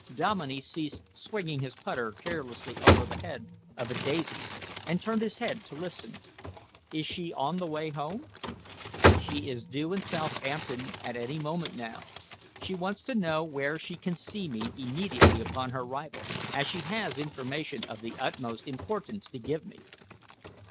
Dominey ceased swinging his putter carelessly over the head of a daisy and turned his head to listen. "Is she on the way home?" "She is due in Southampton at any moment now. She wants to know where she can see me immediately upon her arrival, as she has information of the utmost importance to give me."